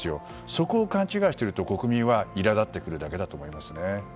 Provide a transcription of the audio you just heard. そこを勘違いしていると国民はいら立ってくるだけだと思います。